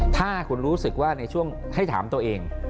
ถ้าคุณรู้สึกว่าในช่วงให้ถามตัวเอง